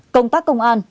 công tác công an